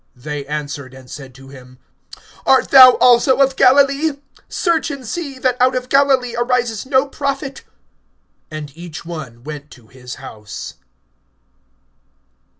(52)They answered and said to him: Art thou also of Galilee? Search, and see, that out of Galilee arises no prophet[7:52]. (53)[7:53][And each one went to his house.